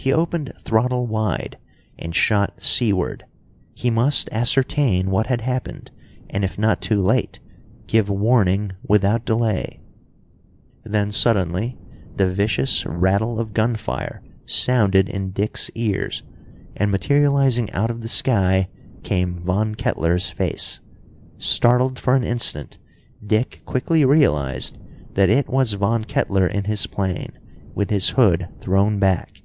He opened throttle wide and shot seaward. He must ascertain what had happened, and, if not too late, give warning without delay. Then suddenly the vicious rattle of gunfire sounded in Dick's ears, and, materializing out of the sky, came Von Kettler's face. Startled for an instant, Dick quickly realized that it was Von Kettler in his plane, with his hood thrown back.